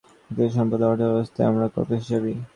ব্যক্তিগত সম্পদ ও অর্থ ব্যবস্থাপনায় আমরা কত হিসাবি।